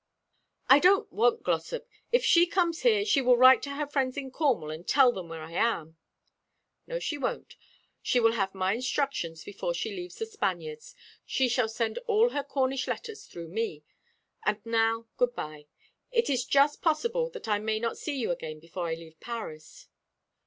"I don't want Glossop. If she comes here, she will write to her friends in Cornwall and tell them where I am." "No, she won't. She will have my instructions before she leaves The Spaniards. She shall send all her Cornish letters through me. And now good bye. It is just possible that I may not see you again before I leave Paris."